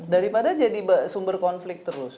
daripada jadi sumber konflik terus